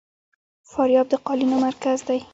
فاریاب د قالینو مرکز دی